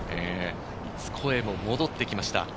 声も戻ってきました。